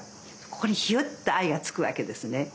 ここにひゅっと藍が付くわけですね。